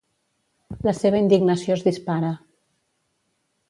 La seva indignació es dispara.